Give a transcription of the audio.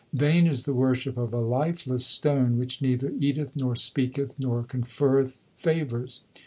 Vain is the worship of a lifeless stone which neither eateth, nor speaketh, nor con ferreth favours.